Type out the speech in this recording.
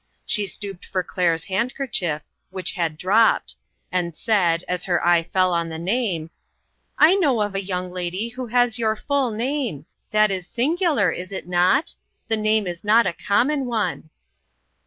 She stooped for Claire's handkerchief, which had dropped, and said, as her eye fell on the name : "I know of a young lady who has your full name. That is singular, is it not? The name is not a common one."